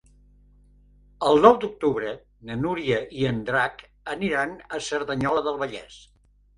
El nou d'octubre na Núria i en Drac aniran a Cerdanyola del Vallès.